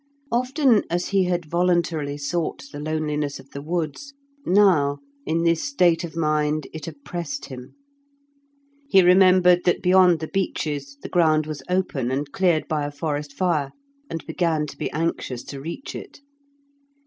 Often as he had voluntarily sought the loneliness of the woods, now in this state of mind, it oppressed him; he remembered that beyond the beeches the ground was open and cleared by a forest fire, and began to be anxious to reach it.